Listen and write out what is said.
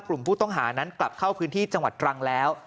กลุ่มผู้ต้องหานั้นกลับเข้าพื้นที่จังหวัดตรังแล้ว